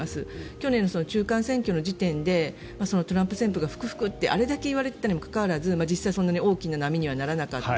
去年の中間選挙の時点でトランプ旋風が吹く吹くって、あれだけ言われていたにもかかわらず実際、そんなに大きな波にはならなかった。